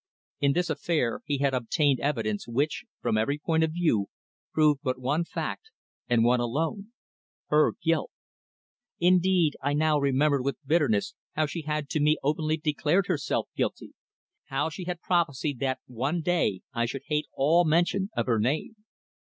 In this affair he had obtained evidence which, from every point of view, proved but one fact, and one alone her guilt. Indeed, I now remembered with bitterness how she had to me openly declared herself guilty; how she had prophesied that one day I should hate all mention of her name.